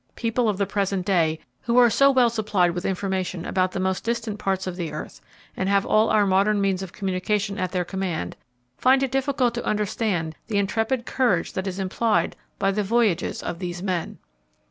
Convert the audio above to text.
People of the present day, who are so well supplied with information about the most distant parts of the earth, and have all our modern means of communication at their command, find it difficult to understand the intrepid courage that is implied by the voyages of these men.